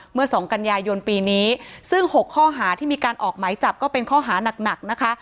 เมื่อสองกันยายนปีนี้ซึ่ง๖ข้อหาที่มีการออกไหมจับก็เป็นข้อหานักหนักนะคะ